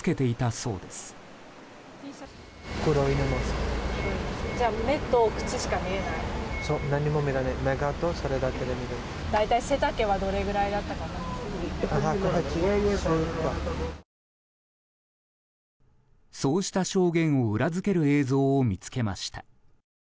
そうした証言を裏付ける映像を見つけました。